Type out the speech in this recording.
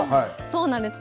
そうなんです。